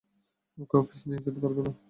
ওকে office নিয়ে যেতে পারব না।